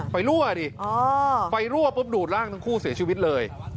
รั่วดิไฟรั่วปุ๊บดูดร่างทั้งคู่เสียชีวิตเลย